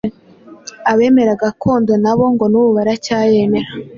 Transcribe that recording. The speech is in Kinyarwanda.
Abemera gakondo nabo ngo n’ubu baracyayemera